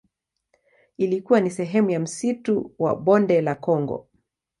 Ilikuwa ni sehemu ya msitu wa Bonde la Kongo.